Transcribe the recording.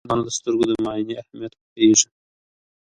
مور د ماشومانو د سترګو د معاینې اهمیت پوهیږي.